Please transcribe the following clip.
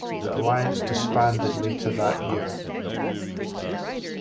The alliance disbanded later that year.